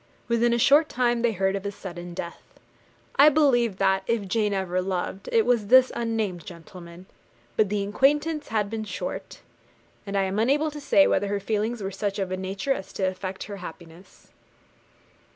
Within a short time they heard of his sudden death. I believe that, if Jane ever loved, it was this unnamed gentleman; but the acquaintance had been short, and I am unable to say whether her feelings were of such a nature as to affect her happiness.